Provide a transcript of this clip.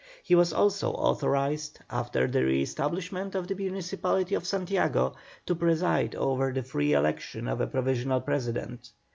He was also authorized, after the re establishment of the municipality of Santiago, to preside over the free election of a provisional president.